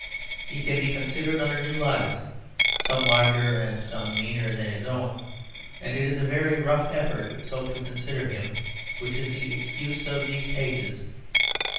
He can be considered under new lights, some larger and some meaner than his own; and it is a very rough effort so to consider him which is the excuse of these pages.